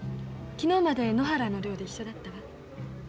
昨日まで野原の寮で一緒だったわ。